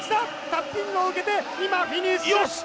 タッピングを受けて今、フィニッシュ！